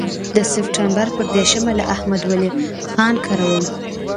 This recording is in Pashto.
د سپټمبر پر دېرشمه له احمد ولي خان کره وم.